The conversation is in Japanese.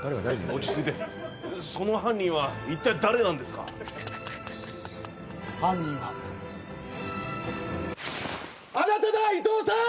落ち着いてその犯人は一体誰なんですか犯人はあなただイトウさん！